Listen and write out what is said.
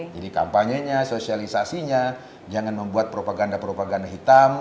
jadi kampanyenya sosialisasinya jangan membuat propaganda propaganda hitam